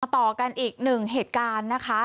ต่อกันอีกหนึ่งเหตุการณ์นะคะ